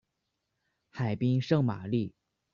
海滨圣玛丽。